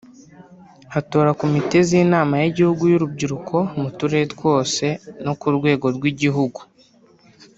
hatora Komite z’Inama y’igihugu y’Urubyiruko mu turere twose no ku rwego rw’igihugu